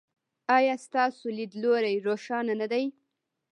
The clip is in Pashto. ایا ستاسو لید لوری روښانه نه دی؟